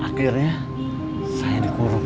akhirnya saya dikurung